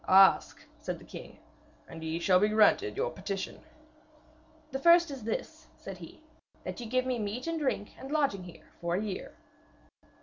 'Ask,' said the king, 'and ye shall be granted your petition.' 'The first is this,' said he, 'that ye give me meat and drink and lodging here for a year.'